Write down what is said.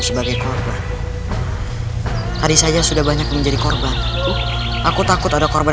sebagai korban tadi saja sudah banyak menjadi korban aku takut ada korban